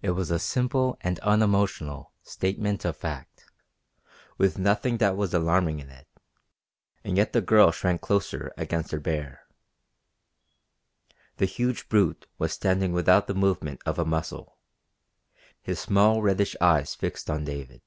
It was a simple and unemotional statement of fact, with nothing that was alarming in it, and yet the girl shrank closer against her bear. The huge brute was standing without the movement of a muscle, his small reddish eyes fixed on David.